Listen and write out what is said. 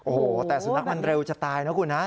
โอ้โหแต่สุนัขมันเร็วจะตายนะคุณนะ